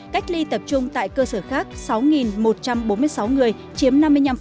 cách ly tập trung tại cơ sở khác sáu một trăm bốn mươi sáu người chiếm năm mươi năm